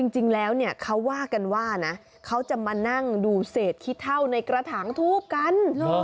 จริงแล้วเนี่ยเขาว่ากันว่านะเขาจะมานั่งดูเศษขี้เท่าในกระถางทูบกัน